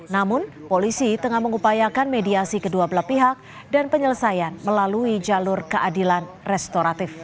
namun polisi tengah mengupayakan mediasi kedua belah pihak dan penyelesaian melalui jalur keadilan restoratif